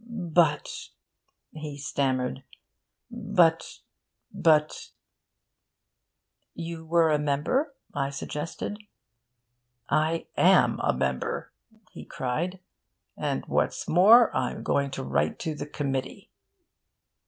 'But,' he stammered, 'but but ' 'You were a member?' I suggested. 'I am a member,' he cried. 'And what's more, I'm going to write to the Committee.'